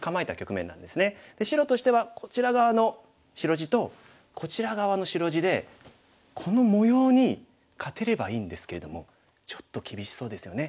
で白としてはこちら側の白地とこちら側の白地でこの模様に勝てればいいんですけれどもちょっと厳しそうですよね。